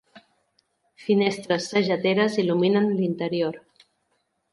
Finestres sageteres il·luminen l'interior.